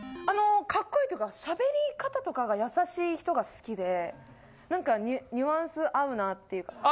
あのかっこいいっていうか喋り方とかが優しい人が好きでなんかニュアンス合うなっていうか。